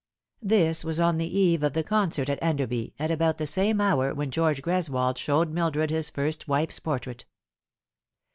This was on the eve of the concert at Enderby, at about the same hour when George Greswold showed Mildred his first wife's portrait.